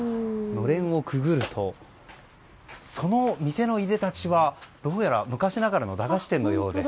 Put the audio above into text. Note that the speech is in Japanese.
のれんをくぐるとその店のいでたちはどうやら昔ながらの駄菓子店のようです。